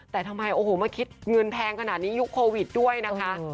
แต่ทำไมโอ้โหมาคิดเงินแพงขนาดนี้ยุคโควิดด้วยนะคะ